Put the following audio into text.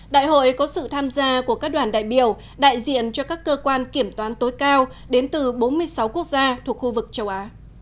đại hội có sự tham gia của các đoàn đại biểu đại diện cho các cơ quan kiểm toán tối cao đến từ bốn mươi sáu quốc gia thuộc khu vực châu á